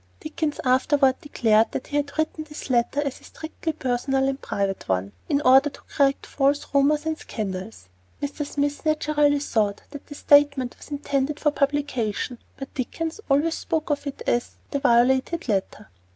Dickens afterward declared that he had written this letter as a strictly personal and private one, in order to correct false rumors and scandals. Mr. Smith naturally thought that the statement was intended for publication, but Dickens always spoke of it as "the violated letter."